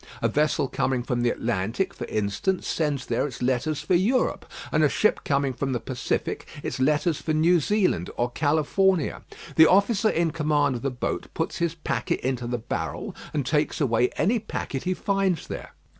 A vessel coming from the Atlantic, for instance, sends there its letters for Europe; and a ship coming from the Pacific, its letters for New Zealand or California. The officer in command of the boat puts his packet into the barrel, and takes away any packet he finds there.